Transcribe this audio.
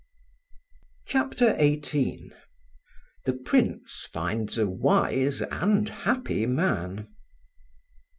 CHAPTER XVIII THE PRINCE FINDS A WISE AND HAPPY MAN.